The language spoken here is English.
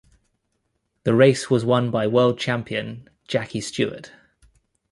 The race was won by world champion Jackie Stewart.